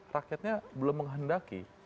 rakyatnya belum menghendaki